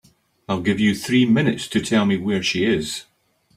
I'll give you three minutes to tell me where she is.